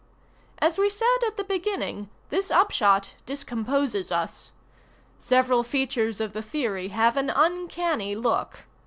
As we said at the beginning, this upshot discomposes us. Several features of the theory have an uncanny look.